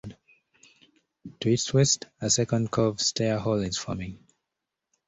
To its west, a second cove, Stair Hole, is forming.